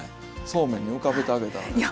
そうめんに浮かべてあげたらええ。